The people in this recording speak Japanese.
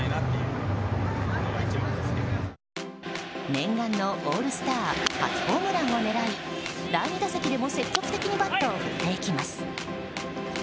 念願のオールスター初ホームランを狙い第２打席でも積極的にバットを振っていきます。